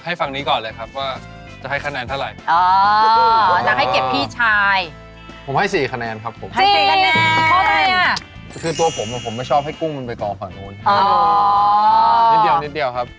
อีกข้อด้วยล่ะคือตัวผมผมไม่ชอบให้กุ้งมันไปต่อข้างโน้นอ๋อนิดเดียวครับ